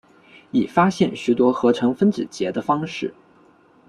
已发现许多合成分子结的方式。